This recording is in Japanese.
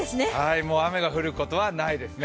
もう雨が降ることはないですね。